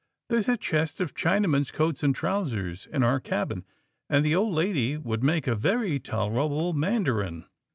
There is a chest of Chinamen's coats and trousers in our cabin, and the old lady would make a very tolerable mandarin."